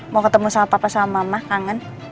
mau ketemu sama papa sama mah kangen